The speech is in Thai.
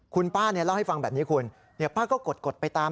คุณป้าเล่าให้ฟังแบบนี้คุณป้าก็กดไปตาม